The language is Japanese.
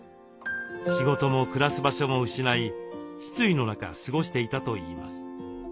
仕事も暮らす場所も失い失意の中過ごしていたといいます。